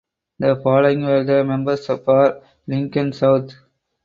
The following were the members for Lincoln South.